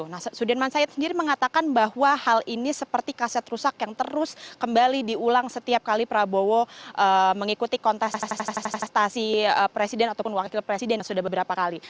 nah sudirman said sendiri mengatakan bahwa hal ini seperti kaset rusak yang terus kembali diulang setiap kali prabowo mengikuti kontestasi presiden ataupun wakil presiden yang sudah beberapa kali